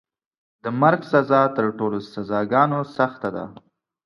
د مرګ سزا تر ټولو سزاګانو سخته ده.